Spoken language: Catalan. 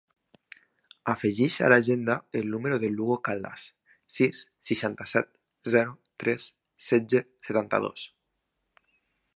Afegeix a l'agenda el número de l'Hugo Caldas: sis, seixanta-set, zero, tres, setze, setanta-dos.